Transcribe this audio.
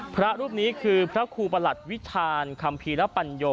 พระรูปนี้คือพระครูประหลัดวิชานคัมภีรปัญโย